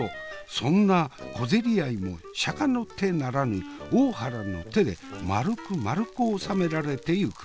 そんな小競り合いも釈迦の手ならぬ大原の手でまるくまるく収められていく。